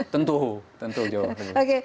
tentu tentu jawabannya